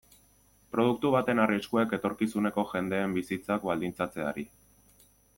Produktu baten arriskuek etorkizuneko jendeen bizitzak baldintzatzeari.